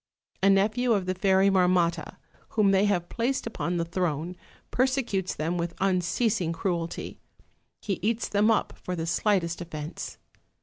A nephew of the Fairy Marmotta, whom they have placed upon the throne, persecutes them with unceasing cruelty; he eats them up for the slightest offence.